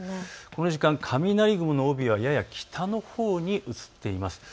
この時間、雷雲の帯はやや北のほうに移っています。